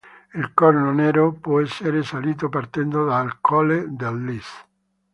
Il Corno Nero può essere salito partendo dal Colle del Lys.